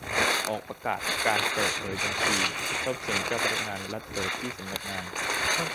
ออกประกาศการเปิดเผยบัญชีทรัพย์สินเจ้าพนักงานรัฐเปิดที่สำนักงาน